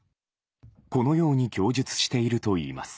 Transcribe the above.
このように供述しているといいます。